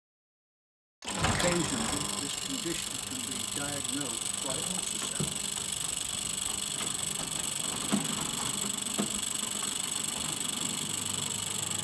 Occasionally this condition can be diagnosed by ultrasound.